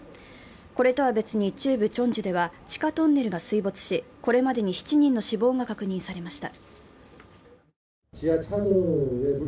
これとは別に中部チョンジュでは地下トンネルが水没し、これまでに７人の死亡が確認されました。